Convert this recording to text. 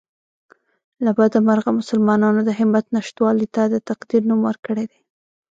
له بده مرغه مسلمانانو د همت نشتوالي ته د تقدیر نوم ورکړی دی